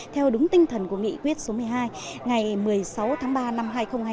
theo đúng tinh thần của nghị quyết số một mươi hai ngày một mươi sáu tháng ba năm hai nghìn hai mươi